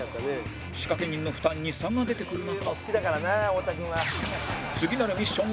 仕掛人の負担に差が出てくる中